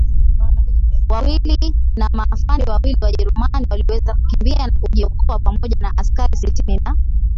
wawili na maafande wawili Wajerumani waliweza kukimbia na kujiokoa pamoja na askari sitini na